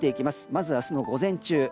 まず明日の午前中。